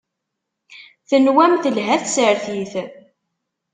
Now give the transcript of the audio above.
Tenwam telha tsertit.